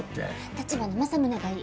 立花正宗がいい。